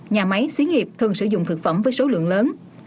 nhà máy xí nghiệp thường sử dụng thực phẩm với số lượng lớn